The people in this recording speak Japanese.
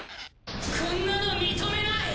こんなの認めない！